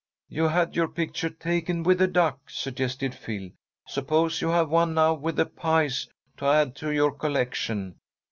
"You had your picture taken with a duck," suggested Phil. "Suppose you have one now with the pies to add to your collection.